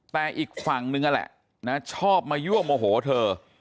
แต่อีกฝั่งนึงนั่นแหละนะชอบมายั่วโมโหเธอ